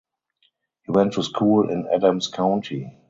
He went to school in Adams County.